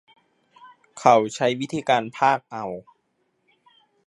เขาใช้วิธีการพากย์เอา